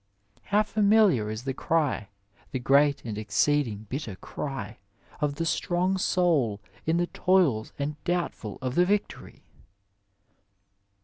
How familiar is the cry, the great and exceeding bitter cry of the strong soul in the toils and doubtful of the victory